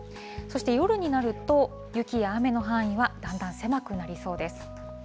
そして夜になると、雪や雨の範囲はだんだん狭くなりそうです。